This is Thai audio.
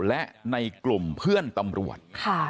และในกลุ่มเพื่อนตำรวจ